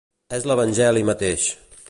És l'Evangeli mateix.